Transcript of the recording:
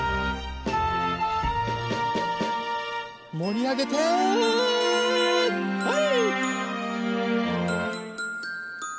もりあげてはい。